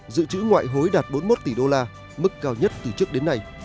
dự trữ ngoại hối đạt bốn mươi một tỷ đô la mức cao nhất từ trước đến nay